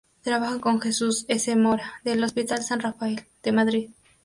Trabajan con Jesús S. Mora, del Hospital San Rafael, de Madrid.